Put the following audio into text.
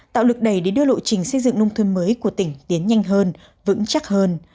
tạo lực đẩy để đưa lộ trình xây dựng nông thôn mới của tỉnh tiến nhanh hơn vững chắc hơn